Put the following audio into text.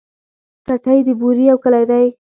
ټټۍ د بوري يو کلی دی.